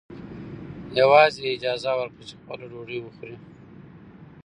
یوازې یې اجازه ورکړه چې خپله ډوډۍ وخوري.